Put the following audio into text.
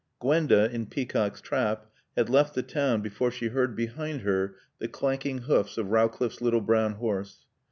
Gwenda in Peacock's trap had left the town before she heard behind her the clanking hoofs of Rowcliffe's little brown horse.